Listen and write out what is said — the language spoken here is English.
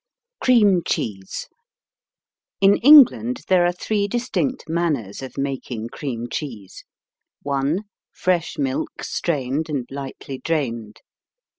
CREAM CHEESE In England there are three distinct manners of making cream cheese: 1. Fresh milk strained and lightly drained.